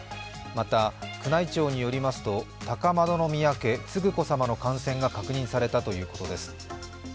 また、宮内庁によりますと、高円宮家・承子さまの感染が確認されたということです。